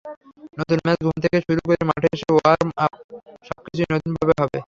নতুন ম্যাচে ঘুম থেকে শুরু করে মাঠে এসে ওয়ার্মআপ—সবকিছুই নতুনভাবে হবে।